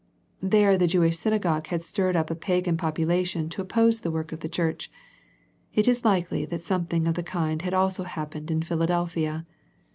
There the Jew ish synagogue had stirred up a pagan popula tion to oppose the work of the church. It is likely that something of the kind had also happened in Philadelphia.